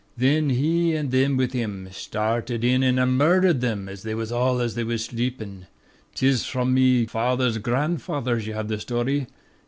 Thin, he an' thim with him, stharted in an' mhurdered thim wan an' all as they slep'. 'Tis from me father's grandfather ye have the sthory.